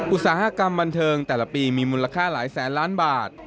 อุตสาหกรรมบันเทิงแต่ละปีมีมูลค่าหลายแสนล้านบาท